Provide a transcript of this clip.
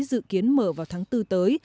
dự kiến mở vào tháng bốn tới